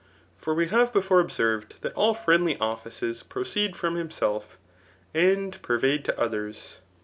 For vre have before observed that all friendly offices proceed from himself, and pervade to others.